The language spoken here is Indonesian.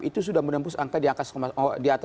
itu sudah menembus angka di atas empat satu juta